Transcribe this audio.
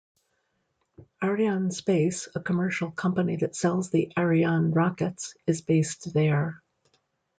Arianespace, a commercial company that sells the Ariane rockets, is based there.